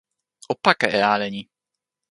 o pake e ale ni!